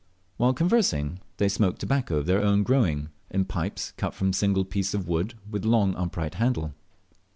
While conversing, they smoked tobacco of their own growing, in pipes cut from a single piece of wood with a long upright handle.